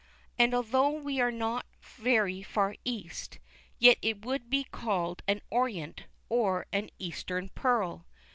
And although we are not so very far east, yet it would be called an "Orient," or an "Eastern pearl."